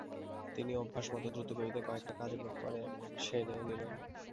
তিনি অভ্যোসমতো দ্রুতগতিতে কয়েকটা কাজের ব্যাপার সেরে নিলেন।